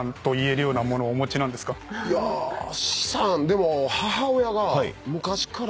いや資産でも。